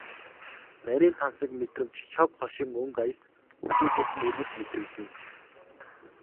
Нарийн тансаг мэдрэмж, шог хошин өнгө аяс бүтээлээс нь үргэлж мэдрэгдэнэ.